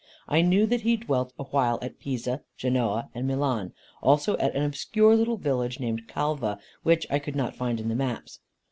I knew that he dwelt awhile at Pisa, Genoa, and Milan, also at an obscure little village named "Calva," which I could not find in the maps.